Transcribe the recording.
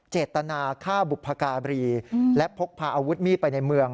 เจตนาฆ่าบุพการีและพกพาอาวุธมีดไปในเมือง